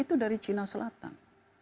itu dari cina selatan